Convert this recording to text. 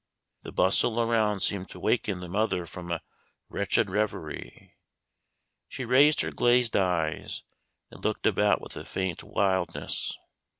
The bustle around seemed to waken the mother from a wretched revery. She raised her glazed eyes, and looked about with a faint wildness.